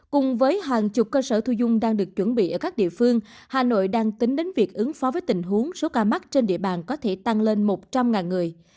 cùng với hàng chục cơ sở thu dung đang được chuẩn bị ở các địa phương hà nội đang tính đến việc ứng phó với tình huống số ca mắc trên địa bàn có thể tăng lên một trăm linh người